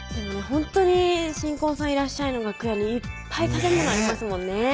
ほんとに新婚さんいらっしゃい！の楽屋にいっぱい食べ物ありますもんね